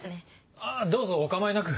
あっどうぞお構いなく。